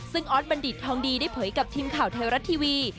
ซึ่งออสบัณฑิตทองดีได้เผยกับทีมข่าวไทยรัฐทีวี